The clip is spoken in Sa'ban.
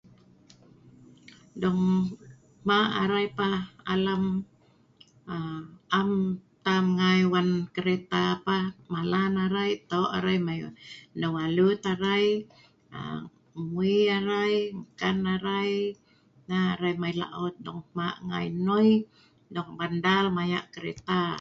Dong maq arai pah.neu alut arai, noi dong bandar arai, Maya kereta.